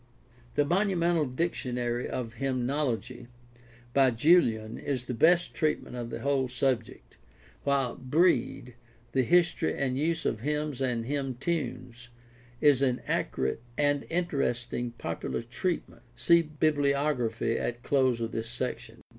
The monumental Dictionary of Hymnology by Julian is the best treatment of the whole subject, while Breed, The History and Use of Hymns and Hymn Tunes, is an accurate and interesting popular treatment (see bibliography at close of this section)